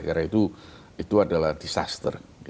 karena itu adalah disaster